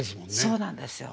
そうなんですよ。